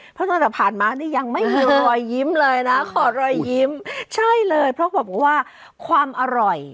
เพราะตั้งแต่ผ่านมานี่ยังไม่มีรอยยิ้มเลยนะขอรอยยิ้มใช่เลยเพราะเขาบอกว่าความอร่อย